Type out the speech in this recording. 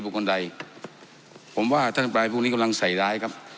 คนใดผมว่าท่านอำปรายพวกนี้กำลังใส่ร้ายครับ